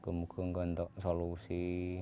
saya berharap ada solusi